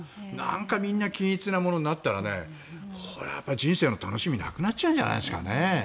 みんな均一なものになったらこれは人生の楽しみがなくなっちゃうんじゃないですかね。